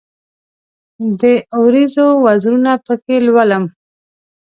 د اوریځو وزرونه پکښې لولم